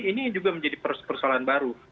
ini juga menjadi persoalan baru